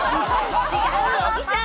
違うよ、小木さん！